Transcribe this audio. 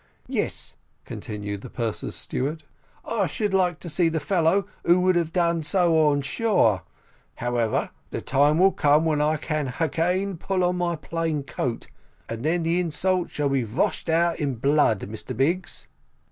"Yes," continued the purser's steward, "I should like to see the fellow who would have done so on shore however, the time will come when I can hagain pull on my plain coat, and then the insult shall be vashed out in blood, Mr Biggs."